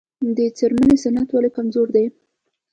د څرمنې صنعت ولې کمزوری دی؟